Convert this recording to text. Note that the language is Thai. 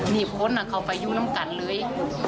นี่พ้นเข้าไปอยู่น้ำกันเลย